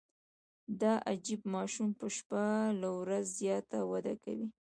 دا عجیب ماشوم په شپه له ورځ زیاته وده کوي.